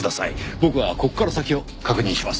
僕はここから先を確認します。